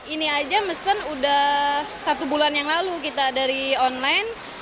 ini aja mesen udah satu bulan yang lalu kita dari online